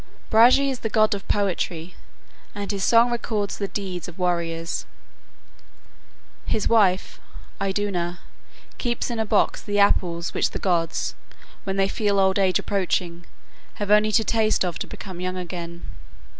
Bragi is the god of poetry, and his song records the deeds of warriors. His wife, Iduna, keeps in a box the apples which the gods, when they feel old age approaching, have only to taste of to become young again.